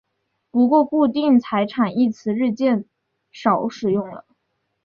不过固定财产一词日渐少使用了。